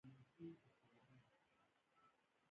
غرونه هسک و او ساګاني به تازه وې